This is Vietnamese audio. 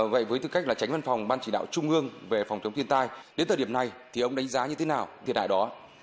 vậy với tư cách là tránh văn phòng ban chỉ đạo trung ương về phòng chống thiên tai đến thời điểm này thì ông đánh giá như thế nào thiệt hại đó